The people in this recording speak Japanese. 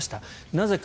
なぜか。